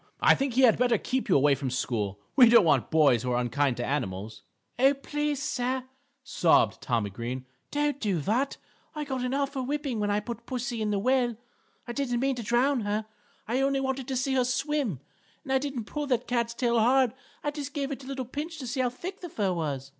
I think he had better keep you away from school. We don't want boys who are unkind to animals." "Oh, please sir," sobbed Tommy Green, "don't do that. I got an awful whipping when I put pussy in the well; I didn't mean to drown her, I only wanted to see her swim. And I didn't pull this cat's tail hard. I just gave it a little pinch to see how thick the fur was."